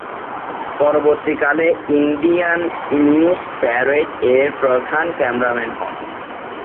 পরবর্তীকালে 'Indian news প্যারেড'-এর প্রধান ক্যামেরাম্যান হন।